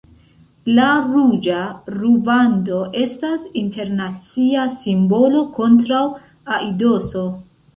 La ruĝa rubando estas internacia simbolo kontraŭ aidoso.